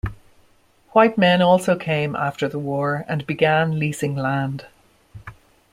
White men also came after the war and began leasing land.